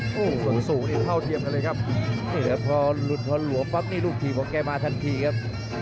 สูงสูงถึงเท่าเทียมเลยครับพอหลวมปั๊บนี่ลูกทีมของเขากันมาทันทีครับ